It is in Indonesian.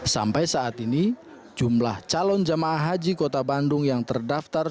sampai saat ini jumlah calon jemaah haji kota bandung yang terdaftar